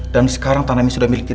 dan sekarang tanah ini sudah miliki